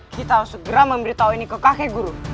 kita harus segera memberitahu ini ke kakek guru